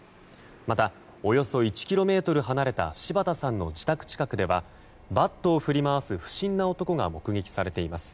また、およそ１ｋｍ離れた柴田さんの自宅近くではバットを振り回す不審な男が目撃されています。